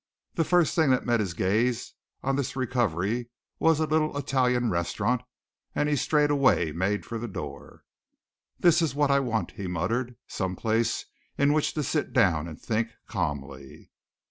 The first thing that met his gaze on this recovery was a little Italian restaurant and he straightway made for the door. "This is what I want," he muttered. "Some place in which to sit down and think calmly."